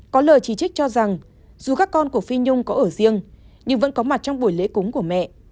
có lời chỉ trích cho rằng dù các con của phi nhung có ở riêng nhưng vẫn có mặt trong buổi lễ cúng của mẹ